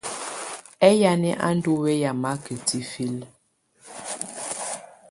Ɛyanɛ̀ á ndù wɛ̀ya maka tifilǝ?